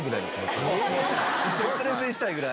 一緒にプレゼンしたいぐらい？